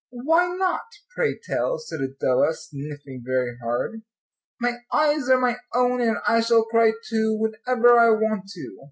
"Why not, pray tell?" said Adela, sniffing very hard. "My eyes are my own, and I shall cry, too, whenever I want to."